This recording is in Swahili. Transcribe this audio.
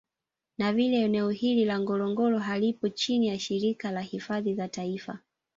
Na vile eneo hili la Ngorongoro halipo chini ya shirika la hifadhi za taifa